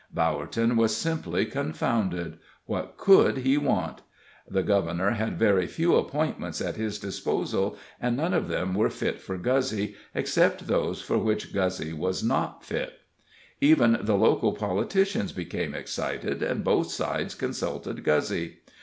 Bowerton was simply confounded. What could he want? The Governor had very few appointments at his disposal, and none of them were fit for Guzzy, except those for which Guzzy was not fit. Even the local politicians became excited, and both sides consulted Guzzy.